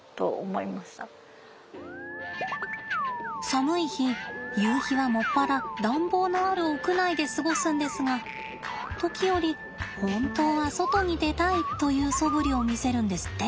寒い日ゆうひは専ら暖房のある屋内で過ごすんですが時折本当は外に出たいというそぶりを見せるんですって。